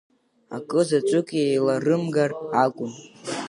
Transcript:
Акы заҵәык еиларымгар акәын.